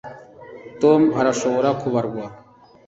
Tom arashobora kubarwa